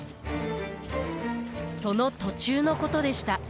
その途中のことでした。